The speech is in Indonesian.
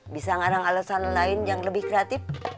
bisa ngarang alasan lain yang lebih kreatif